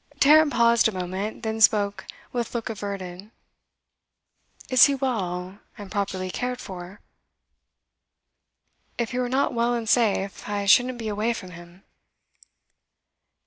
Tarrant paused a moment, then spoke with look averted. 'Is he well, and properly cared for?' 'If he were not well and safe, I shouldn't be away from him.